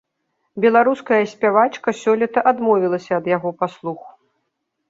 Беларуская спявачка сёлета адмовілася ад яго паслуг.